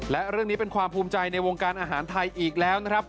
และเรื่องนี้เป็นความภูมิใจในวงการอาหารไทยอีกแล้วนะครับ